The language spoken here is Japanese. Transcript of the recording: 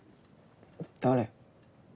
誰？